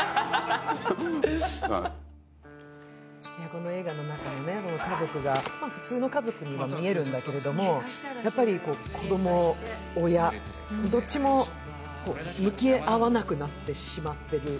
この映画のなかに、家族が普通の家族に見えるんだけれどもやっぱり子供、親、どっちも向き合わなくなってしまってる。